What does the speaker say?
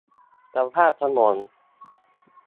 สภาพถนน